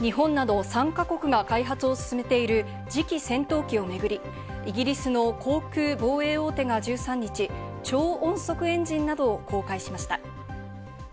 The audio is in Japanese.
日本など３か国が開発を進めている次期戦闘機を巡り、イギリスの航空防衛大手が１３日、超音速エンジンなどを公開しました。